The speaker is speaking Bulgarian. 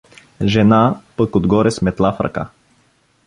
Жена, пък отгоре с метла в ръка!